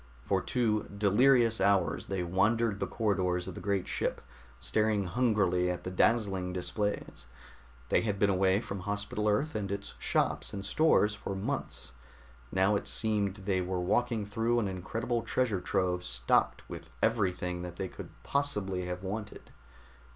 For two delirious hours they wandered the corridors of the great ship, staring hungrily at the dazzling displays. They had been away from Hospital Earth and its shops and stores for months; now it seemed they were walking through an incredible treasure trove stocked with everything that they could possibly have wanted.